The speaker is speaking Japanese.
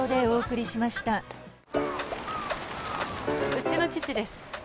うちの父です